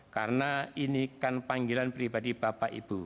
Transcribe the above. karena ini kan panggilan pribadi bapak ibu